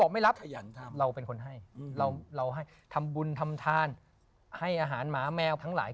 ไม่รับขยันทำเราเป็นคนให้เราให้ทำบุญทำทานให้อาหารหมาแมวทั้งหลาย